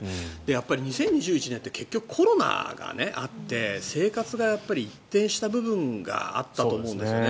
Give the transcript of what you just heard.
やっぱり２０２１年って結局、コロナがあって生活が一変した部分があったと思うんですよね。